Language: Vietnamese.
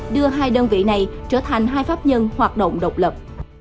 đưa hai đơn vị này trở thành hai pháp nhân hoạt động độc lập